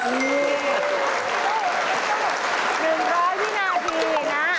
๑๐๐พินาทีนะ